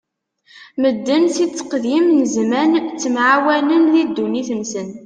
Medden si tteqdim n zzman ttemɛawanen di ddunit-nsen.